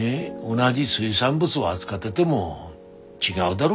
同じ水産物を扱ってでも違うだろ？